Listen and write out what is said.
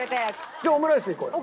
じゃあオムライスいこうよ。